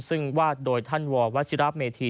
ซึ่งวาดโดยท่านววเมธี